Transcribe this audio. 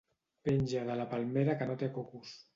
Penja de la palmera que no té cocos.